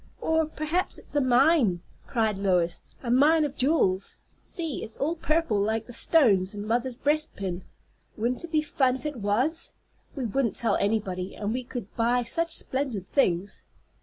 "Or perhaps it's a mine," cried Lois, "a mine of jewels. See, it's all purple, like the stones in mother's breastpin. Wouldn't it be fun if it was? We wouldn't tell anybody, and we could buy such splendid things."